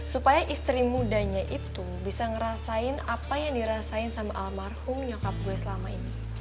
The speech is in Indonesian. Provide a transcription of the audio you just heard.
supaya istri mudanya itu bisa ngerasain apa yang dirasain sama almarhum nyokap gue selama ini